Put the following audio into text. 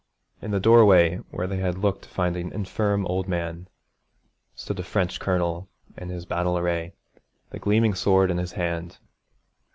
In the doorway, where they had looked to find an infirm old man, stood a French colonel in his battle array, the gleaming sword in his hand.